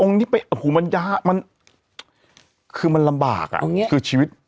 คือมันลำบากค่ะคือชีวิต